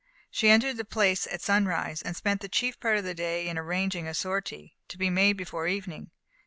She entered the place at sunrise, and spent the chief part of the day in arranging a sortie, to be made before evening.